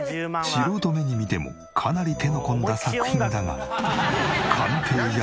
素人目に見てもかなり手の込んだ作品だが。